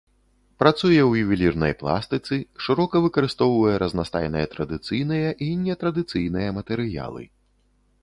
Працуе ў ювелірнай пластыцы, шырока выкарыстоўвае разнастайныя традыцыйныя і нетрадыцыйныя матэрыялы.